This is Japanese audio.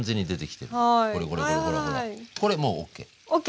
これもうＯＫ。ＯＫ！